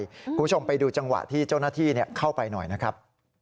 คุณผู้ชมไปดูจังหวะที่เจ้าหน้าที่เข้าไปหน่อยนะครับ